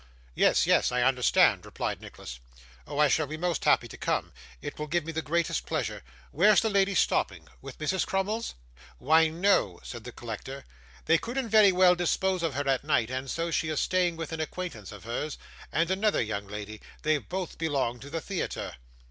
'Yes, yes, I understand,' replied Nicholas. 'Oh, I shall be most happy to come; it will give me the greatest pleasure. Where's the lady stopping with Mrs. Crummles?' 'Why, no,' said the collector; 'they couldn't very well dispose of her at night, and so she is staying with an acquaintance of hers, and another young lady; they both belong to the theatre.